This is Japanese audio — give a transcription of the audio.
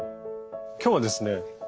今日はですね